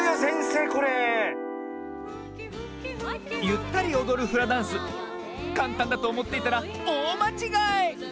ゆったりおどるフラダンスかんたんだとおもっていたらおおまちがい！